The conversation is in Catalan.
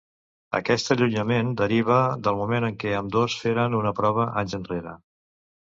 Aquest allunyament derivava del moment en què ambdós feren una prova anys enrere.